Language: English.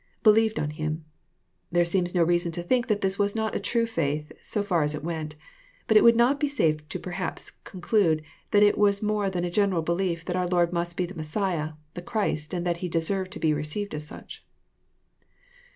[Believed on HimJ] There aeems no reason to think that this was not a true faith, so far as it went. But it would not be safe perhaps to conclude that itVas more than a general belief that our Lord must be the Messiah, the Christ, and that He deserved to be received BSTSufch.